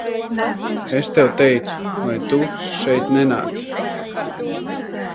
Es tev teicu, lai Tu šeit nenāc!